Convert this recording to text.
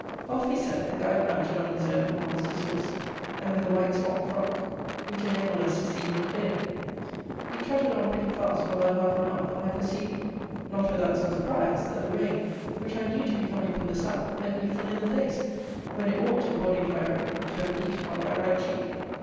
Off we set, the guide mounted on his own or master's horse, and with a white smock frock, which enabled us to see him clearly. We trotted on pretty fast for about half an hour; and I perceived, not without some surprise, that the rain, which I knew to be coming from the South, met me full in the face, when it ought, according to my reckoning, to have beat upon my right cheek.